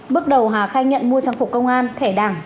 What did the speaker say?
bước đầu hà khai nhận mua trang phục công an thẻ đảng